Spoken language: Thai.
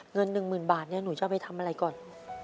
เงินหนึ่งหมื่นบาทนี่หนูจะไปทำอะไรก่อน